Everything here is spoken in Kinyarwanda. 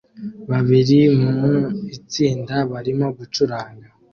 Babiri mu itsinda barimo gucuranga